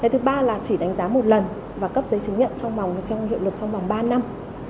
thứ ba là chỉ đánh giá một lần và cấp giấy chứng nhận trong vòng trong hiệu lực trong vòng ba năm